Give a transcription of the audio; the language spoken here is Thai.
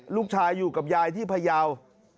ลูกชายอยู่กับยายที่พยาว